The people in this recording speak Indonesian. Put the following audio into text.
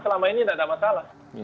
selama ini tidak ada masalah